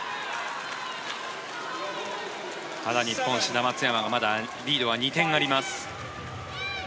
ただ日本、志田・松山がリードは２点あります。